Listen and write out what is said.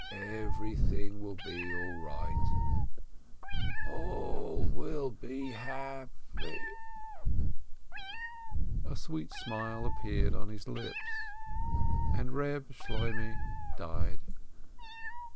Every thing will be all right ! All will be hap " A sweet smile appeared on his lips, and Eeb Shloi meh died.